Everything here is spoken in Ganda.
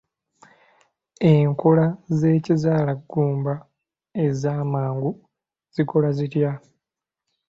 Enkola z'ekizaalaggumba ez'amangu zikola zitya?